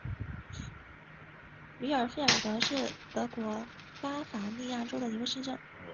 于尔费尔德是德国巴伐利亚州的一个市镇。